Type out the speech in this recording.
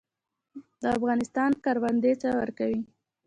د افغانستان کروندې څه ورکوي؟